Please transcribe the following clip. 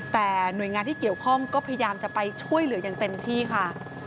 แต่หน่วยงานที่เกี่ยวข้องก็พยายามจะไปช่วยเหลืออย่างเต็มที่ค่ะ